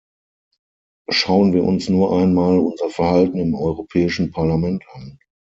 Schauen wir uns nur einmal unser Verhalten im Europäischen Parlament an.